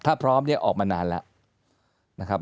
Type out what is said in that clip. ถ้าพร้อมเนี่ยออกมานานแล้วนะครับ